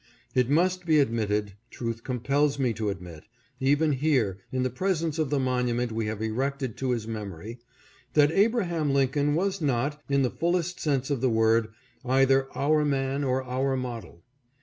It must be admitted, truth compels me to admit, even here in the presence of the monument we have erected to his memory, that Abraham Lincoln was not, in the fullest sense of the word, either our man or our model.